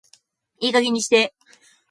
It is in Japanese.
いい加減にして